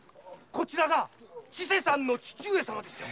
こちらが千勢さんの父上様ですよ。